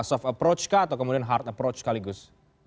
soft approach kah atau kemudian hard approach sekaligus